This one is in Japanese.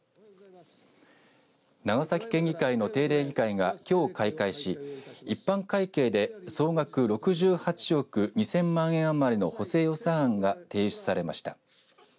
長崎県議会の定例議会がきょう開会し一般会計で総額６８億２０００万円余りの補正予算案が提出されました。